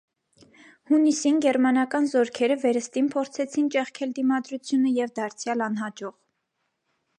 Հունիսին գերմանական զորքերը վերստին փորձեցին ճեղքել դիմադրությունը և դարձյալ անհաջող։